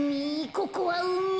ここはうみ。